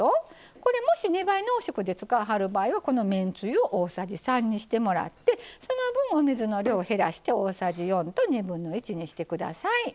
これ、もし２倍濃縮で使いはる場合はめんつゆを大さじ３にしてもらってその分、お水の量を減らしてもらって大さじ４と２分の１にしてください。